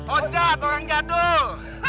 ojat orang jadul